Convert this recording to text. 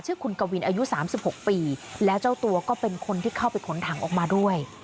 ชื่อคุณกวินอายุ๓๖ปีแล้วเจ้าตัวก็เป็นคนที่เข้าไปขนถังออกมาด้วย